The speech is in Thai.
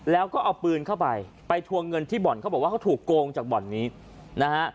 แล้วก็เอาปืนเข้าไปไปทวงเงินที่บ่อนเขาบอกว่าเขาถูกโกงจากบ่อนนี้นะฮะ